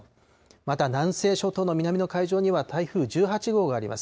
また南西諸島の南の海上には、台風１８号があります。